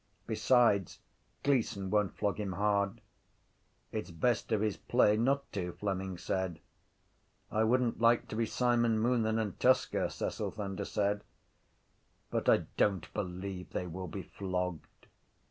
Besides Gleeson won’t flog him hard. —It’s best of his play not to, Fleming said. —I wouldn’t like to be Simon Moonan and Tusker, Cecil Thunder said. But I don’t believe they will be flogged.